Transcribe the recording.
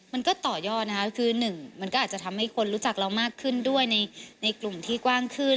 มันก็ต่อยอดนะคะคือหนึ่งมันก็อาจจะทำให้คนรู้จักเรามากขึ้นด้วยในกลุ่มที่กว้างขึ้น